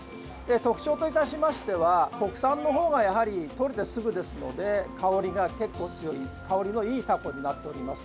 特徴といたしましては国産の方がやはりとれてすぐですので香りが結構強い香りのいいタコになっております。